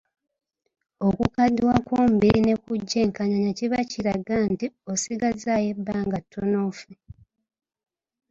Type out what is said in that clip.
Okukaddiwa kw’omubiri ne gujja enkanyanya kiba kiraga nti osigazzaayo ebbanga ttono ofe.